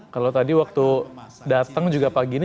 kalau tadi waktu datang juga pagi ini